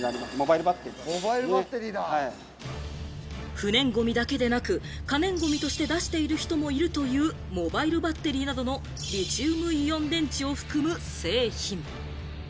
不燃ごみだけでなく、可燃ごみとして出している人もいるというモバイルバッテリーなどのリチウムイオン電池を含む製品。